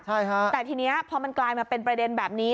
ใช่ฮะแต่ทีนี้พอมันกลายมาเป็นประเด็นแบบนี้